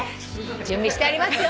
準備してありますよ。